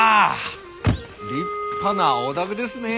立派なお宅ですねえ！